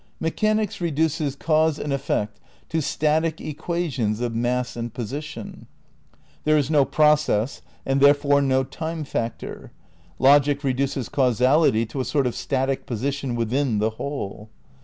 Mechanics reduces cause and effect to "static equa tions of mass and position"; there is no process and therefore no time factor: logic reduces causality to a "sort of static position within the whole."